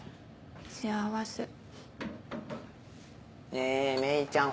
ねぇ芽衣ちゃん